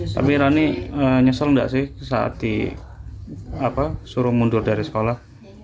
tapi rani nyesel nggak sih saat disuruh mundur dari sekolah